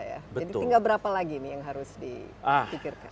jadi tinggal berapa lagi yang harus dipikirkan